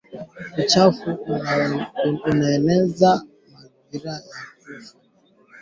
na kwamba wanaendelea kufanya utafiti wa sera ambazo zitastahili